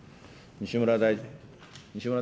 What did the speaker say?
西村大臣。